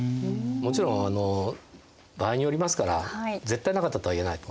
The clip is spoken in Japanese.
もちろん場合によりますから絶対なかったとはいえないと思いますね。